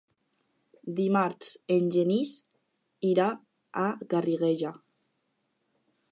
Dimarts en Genís irà a Garriguella.